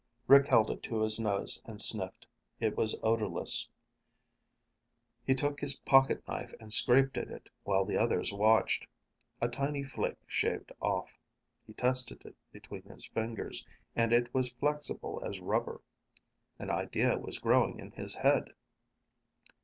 Rick held it to his nose and sniffed. It was odorless. He took his pocketknife and scraped at it while the others watched. A tiny flake shaved off. He tested it between his fingers, and it was flexible as rubber. An idea was growing in his head.